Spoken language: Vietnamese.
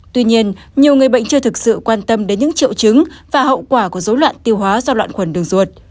tuy nhiên nhiều người bệnh chưa thực sự quan tâm đến những triệu chứng và hậu quả của dối loạn tiêu hóa do loạn khuẩn đường ruột